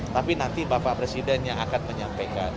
tapi nanti bapak presiden yang akan menyampaikan